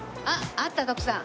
あった徳さん。